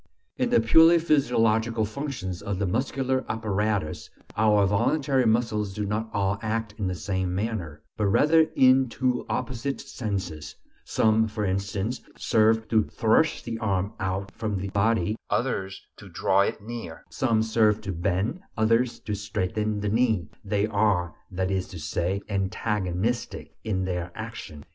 In the purely physiological functions of the muscular apparatus, our voluntary muscles do not all act in the same manner, but rather in two opposite senses; some, for instance, serve to thrust the arm out from the body, others to draw it near; some serve to bend, others to straighten the knee; they are, that is to say, "antagonistic" in their action.